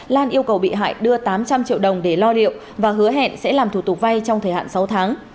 lan yêu cầu bị hại đưa tám trăm linh triệu đồng để lo liệu và hứa hẹn sẽ làm thủ tục vay trong thời hạn sáu tháng